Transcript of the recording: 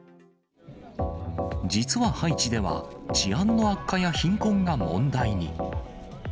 実はハイチでは、治安の悪化や貧困が問題に。